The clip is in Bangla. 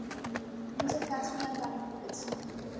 নিজের কাজ নিয়ে আমি অনেক ভেবেছি।